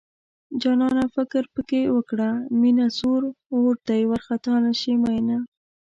جانانه فکر پکې وکړه مينه سور اور دی وارخطا نشې مينه